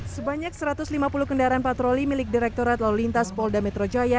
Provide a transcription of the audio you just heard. sebanyak satu ratus lima puluh kendaraan patroli milik direkturat lalu lintas polda metro jaya